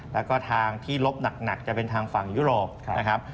แล้วก็ทางที่ลบหนักจะเป็นทางฝั่งยุโรปนะครับ